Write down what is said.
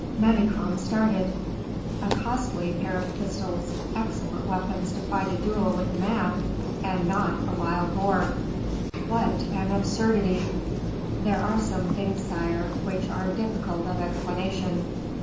Manicamp started. "A costly pair of pistols, excellent weapons to fight a duel with a man and not a wild boar. What an absurdity!" "There are some things, sire, which are difficult of explanation."